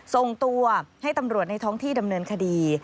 ส่งตัวให้ตำรวจในท้องที่ดำเนินคดี